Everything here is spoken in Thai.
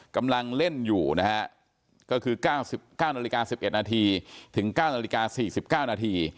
กำลังเล่นอยู่นะฮะก็คือ๙น๑๑นถึง๙น๔๙น